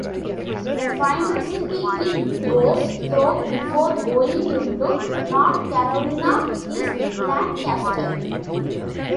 The final city it goes through before going into North Carolina is Lancaster.